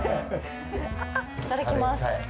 いただきます。